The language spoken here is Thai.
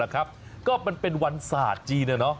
คือเป็นวันศาสตร์จีน